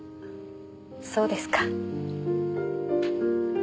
そうですか。